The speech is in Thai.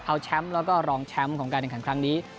เอาแชมป์แล้วก็รองแชมป์ของการแข่งขันครั้งนี้